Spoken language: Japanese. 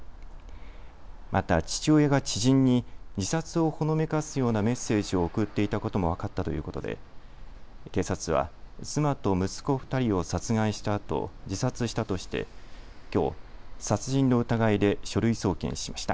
また父親が知人に自殺をほのめかすようなメッセージを送っていたことも分かったということで警察は、妻と息子２人を殺害したあと自殺したとしてきょう殺人の疑いで書類送検しました。